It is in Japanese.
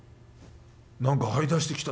何かはい出してきた。